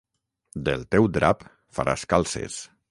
Del teu drap faràs calces.